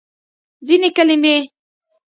ځینې کلمې